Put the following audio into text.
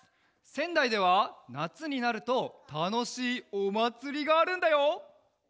せんだいではなつになるとたのしいおまつりがあるんだよ！